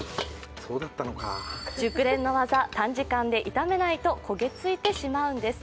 熟練の技、短時間で炒めないと焦げ付いてしまうんです。